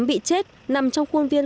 bị chết nằm trong khuôn viên